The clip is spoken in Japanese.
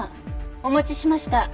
お持ちしました。